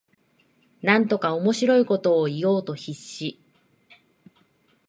なんとか面白いことを言おうと必死